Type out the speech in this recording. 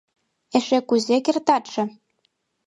Эше кузе кертатше!